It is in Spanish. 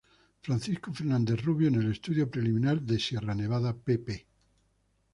Francisco Fernández Rubio en el Estudio Preliminar de ""Sierra Nevada"", pp.